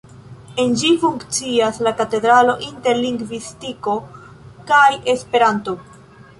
En ĝi funkcias la Katedro Interlingvistiko kaj Esperanto.